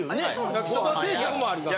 焼きそば定食もあります。